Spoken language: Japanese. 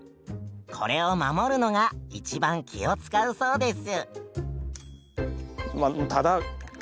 これを守るのが一番気を使うそうです。